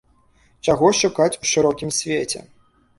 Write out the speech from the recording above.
Чаго шукаць у шырокім свеце?